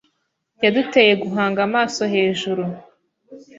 Yaduteye guhanga amaso hejuru